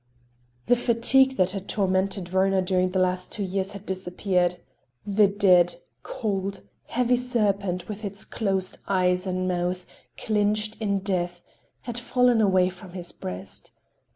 The fatigue that had tormented Werner during the last two years had disappeared; the dead, cold, heavy serpent with its closed eyes and mouth clinched in death, had fallen away from his breast.